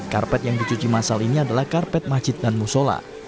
karpet yang dicuci masal ini adalah karpet masjid dan musola